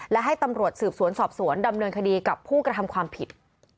และให้ตำรวจสืบสวนสอบสวนดำเนินคดีกับผู้กระทำความผิด